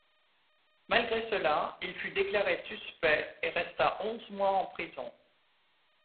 Malgré cela, il fut déclaré suspect et resta onze mois en prison.